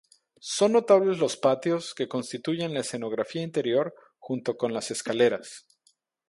Son notables los patios, que constituyen la escenografía interior junto con las escaleras.